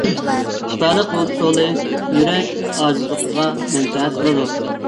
شىپالىق رولى: يۈرەك ئاجىزلىقىغا مەنپەئەت قىلىدۇ.